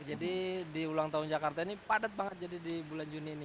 jadi diulang tahun jakarta ini padat banget jadi di bulan juni ini